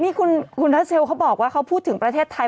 นี่คุณทัชเชลเขาบอกว่าเขาพูดถึงประเทศไทย